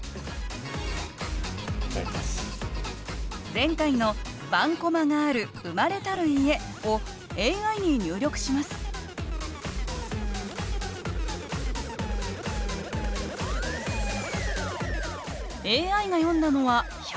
前回の「盤駒がある生まれたる家」をＡＩに入力しますＡＩが詠んだのは１００句。